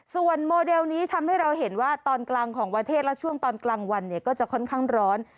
ส่วนโมเดลนี้ทำให้เราเห็นว่าตอนกลางของประเทศและช่วงตอนกลางวันเนี่ยก็จะค่อนข้างร้อน